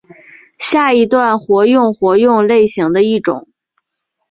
下一段活用活用类型的一种。